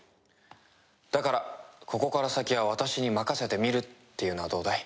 だからここから先は私に任せてみるっていうのはどうだい？